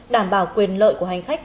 đảm bảo quyền lợi của hành khách